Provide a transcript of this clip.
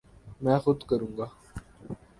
میں خود کروں گا